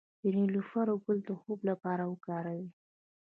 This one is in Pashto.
د نیلوفر ګل د خوب لپاره وکاروئ